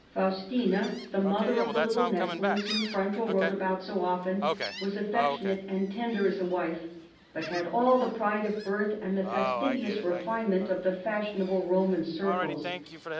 Faustina, the mother of the little nestlings whom Fronto wrote about so often, was affectionate and tender as a wife, but had all the pride of birth and the fastidious refinement of the fashionable Roman circles.